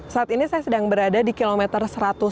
saat ini saya sedang berada di kilometer satu ratus tujuh puluh